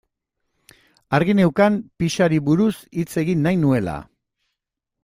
Argi neukan pixari buruz hitz egin nahi nuela.